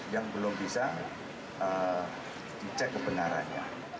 yang belum bisa dicek kebenarannya